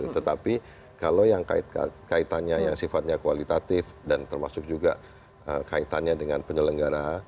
tetapi kalau yang kaitannya yang sifatnya kualitatif dan termasuk juga kaitannya dengan penyelenggara